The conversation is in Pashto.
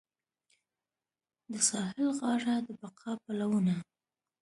د ساحل غاړه د بقا پلونه